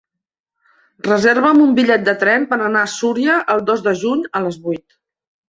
Reserva'm un bitllet de tren per anar a Súria el dos de juny a les vuit.